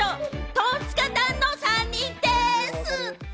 トンツカタンの３人でぃす！